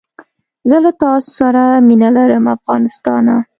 زه له تاسره مینه لرم افغانستانه